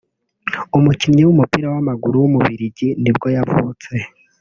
umukinnyi w’umupira w’amaguru w’umubiligi nibwo yavutse